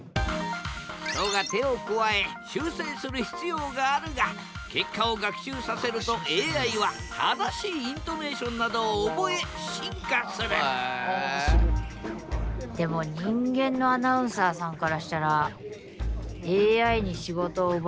人が手を加え修正する必要があるが結果を学習させるとＡＩは正しいイントネーションなどを覚え進化するそうね。ということで人間のアナウンサーに直撃！